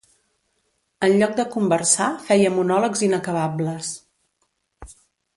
En lloc de conversar feia monòlegs inacabables.